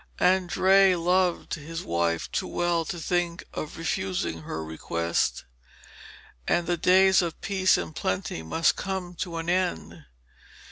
Andrea loved his wife too well to think of refusing her request, and the days of peace and plenty must come to an end.